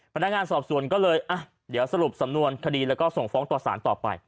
พนักงานสอบสวนก็เลยเดี๋ยวสรุปสำนวนคดีแล้วก็ส่งฟ้องต่อสารต่อไป